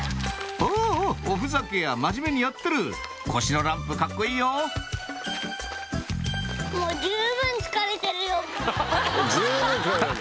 おぉおぉおふざけ屋真面目にやってる腰のランプカッコいいよ十分疲れたんだ。